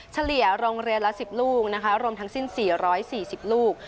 เฉลี่ยโรงเรียนละสิบลูกนะคะรวมทั้งสิ้นสี่ร้อยสี่สิบลูก